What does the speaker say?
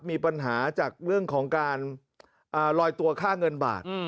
มีปัญหาจากเรื่องของการลอยตัวค่าเงินบาท